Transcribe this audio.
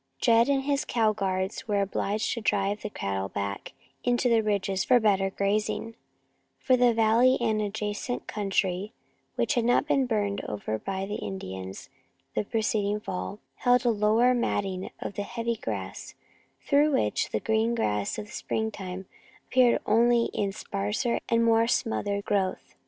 Jed and his cow guards were obliged to drive the cattle back into the ridges for better grazing, for the valley and adjacent country, which had not been burned over by the Indians the preceding fall, held a lower matting of heavy dry grass through which the green grass of springtime appeared only in sparser and more smothered growth.